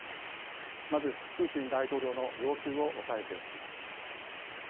まずプーチン大統領の要求を押さえておきます。